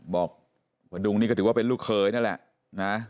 พระดุงนี่ก็ถือว่าเป็นลูกเขยนั่นแหละนะ